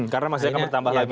karena masih akan bertambah lagi